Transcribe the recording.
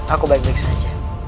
aku baik baik saja